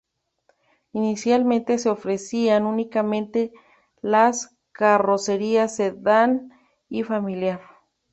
Inicialmente se ofrecían únicamente las carrocerías sedán y familiar.